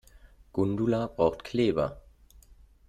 Gundula braucht Kleber.